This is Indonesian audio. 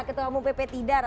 ketua umum pp tidak